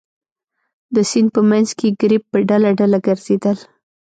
د سیند په منځ کې ګرېب په ډله ډله ګرځېدل.